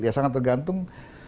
ya sangat tergantung